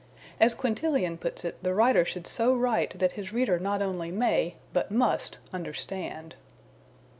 As Quintilian puts it, the writer should so write that his reader not only may, but must, understand.